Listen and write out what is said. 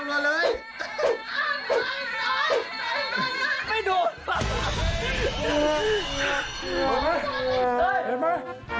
ไม่โดน